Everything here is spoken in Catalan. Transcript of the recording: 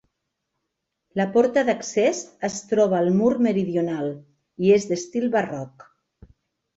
La porta d'accés es troba al mur meridional i és d'estil barroc.